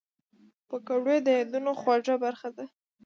پکورې د یادونو خواږه برخه ده